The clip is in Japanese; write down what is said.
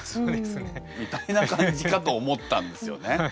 みたいな感じかと思ったんですよね。